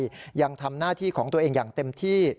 ยังทำหน้าที่ของตัวเองอย่างเต็มที่